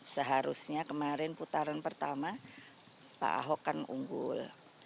seharusnya kemarin putaran pertama pak ahok kan unggul